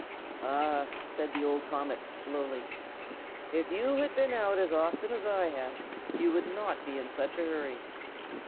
"Ah!" said the old comet, slowly, "if you had been out as often as I have, you would not be in such a hurry.